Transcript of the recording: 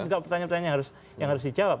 itu kan pertanyaan pertanyaan yang harus dijawab